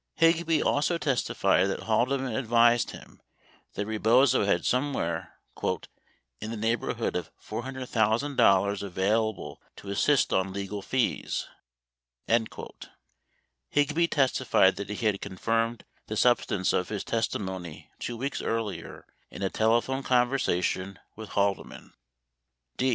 5 Higby also testified that Haldeman advised him that Rebozo had somewhere "in the neighborhood of $400,000 available to assist on legal fees." 6 Higby testified that he had confirmed the substance of his testimony 2 weeks earlier in a telephone conversation with Haldeman.